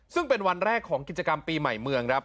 ซึ่งเป็นวันแรกของกิจกรรมปีใหม่เมืองครับ